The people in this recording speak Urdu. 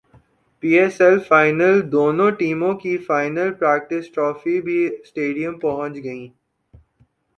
پی ایس ایل فائنل دونوں ٹیموں کی فائنل پریکٹسٹرافی بھی اسٹیڈیم پہنچ گئی